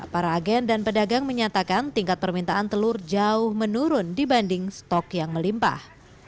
para agen dan pedagang menyatakan tingkat permintaan telur jauh menurun dibanding stok yang melimpah